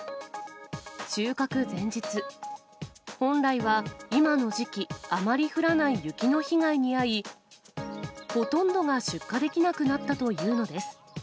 収穫前日、本来は今の時期、余り降らない雪の被害に遭い、ほとんどが出荷できなくなったというのです。